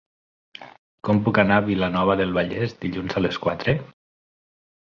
Com puc anar a Vilanova del Vallès dilluns a les quatre?